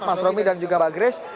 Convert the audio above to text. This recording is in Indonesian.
mas romi dan juga mbak grace